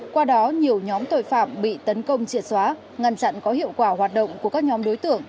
qua đó nhiều nhóm tội phạm bị tấn công triệt xóa ngăn chặn có hiệu quả hoạt động của các nhóm đối tượng